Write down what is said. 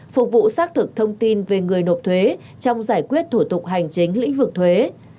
phục vụ xác thực thông tin về người nộp thuế trong giải quyết thủ tục hành chính lĩnh vực thuế